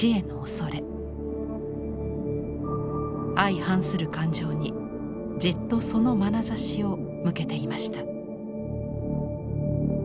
相反する感情にじっとそのまなざしを向けていました。